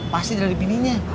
pasti dari bininya